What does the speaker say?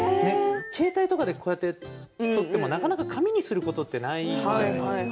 携帯とかで撮ってもなかなか紙にすることってないじゃないですか。